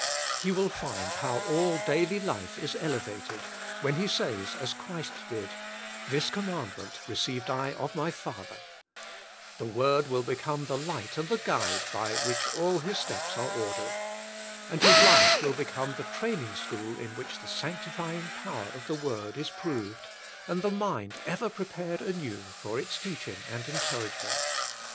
He will find how all daily life is elevated, when he says as Christ did :" This commandment received I of My Father.'^ The Word will become the light and guide by which all his steps are ordered. And his life will become the training school in which the sanctifying power of the Word is proved, and the mind ever prepared anew for its teaching and encouragement.